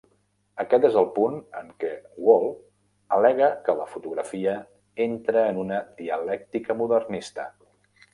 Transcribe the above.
Aquest és el punt en què Wall al·lega que la fotografia entra en una "dialèctica modernista".